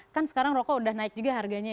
kan sekarang rokok sudah naik juga harga